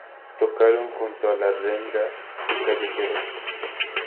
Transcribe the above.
Tocaron junto a La Renga y Callejeros.